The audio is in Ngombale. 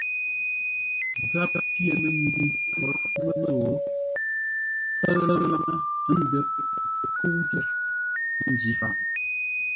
Gháp pyê mənyǐ, ə́ nkhwǒr məsô ńtsə́ʉ laŋə́ ə́ ndə́r tə nkə́u tyer, ə́ njǐ faʼ.